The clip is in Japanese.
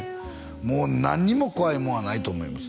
もう何にも怖いもんはないと思います